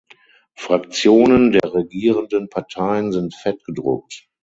Fraktionen der regierenden Parteien sind fett gedruckt.